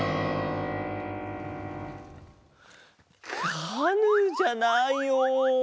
カヌーじゃないよ。